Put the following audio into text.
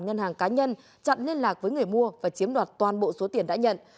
ngân hàng cá nhân chặn liên lạc với người mua và chiếm đoạt toàn bộ số tiền đã nhận